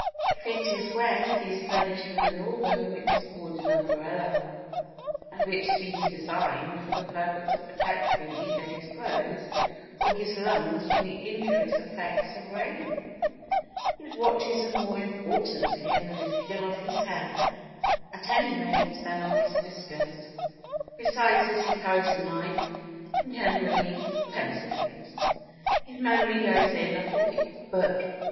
If it is wet he is furnished with an organ which is called an umbrella and which seems designed for the purpose of protecting either his clothes or his lungs from the injurious effects of rain. His watch is of more importance to him than a good deal of his hair, at any rate than of his whiskers; besides this he carries a knife, and generally a pencil case. His memory goes in a pocket book.